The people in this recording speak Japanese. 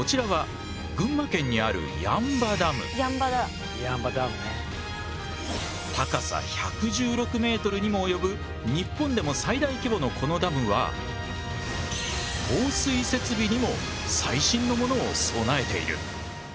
こちらは高さ１１６ｍにも及ぶ日本でも最大規模のこのダムは放水設備にも最新のものを備えている。